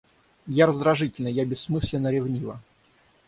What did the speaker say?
Я раздражительна, я бессмысленно ревнива.